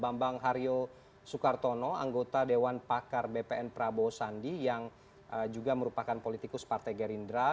bambang haryo soekartono anggota dewan pakar bpn prabowo sandi yang juga merupakan politikus partai gerindra